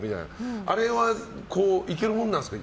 あれは、いけるものなんですか？